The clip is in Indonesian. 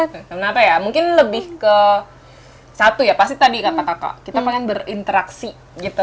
kenapa ya mungkin lebih ke satu ya pasti tadi kata kakak kita pengen berinteraksi gitu